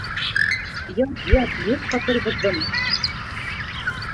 Ят, ят... юҡҡа торғоҙҙом.